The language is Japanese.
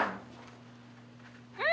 うん！